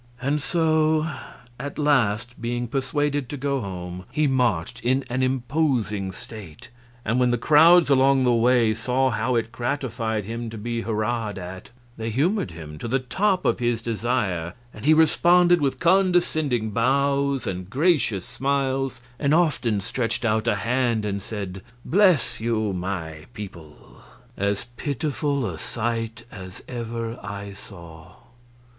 And so at last, being persuaded to go home, he marched in imposing state; and when the crowds along the way saw how it gratified him to be hurrahed at, they humored him to the top of his desire, and he responded with condescending bows and gracious smiles, and often stretched out a hand and said, "Bless you, my people!" As pitiful a sight as ever I saw.